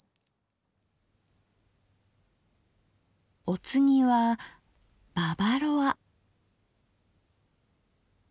お次は「ババロア」。